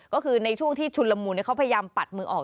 ก็คือในช่วงที่ชุนละมุนเขาพยายามปัดมือออก